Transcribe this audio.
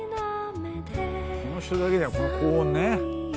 この人だけこの高音ね。